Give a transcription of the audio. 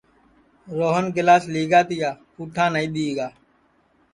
روہن گِلاس لِگا تیا پُوٹھا نائی دؔی گا